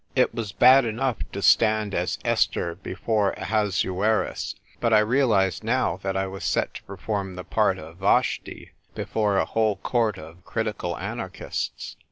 It was bad enough to stand as Esther before Ahasuerus, but I realised now that I was set to perform the part of Vashti before a whole court of critical anarchists.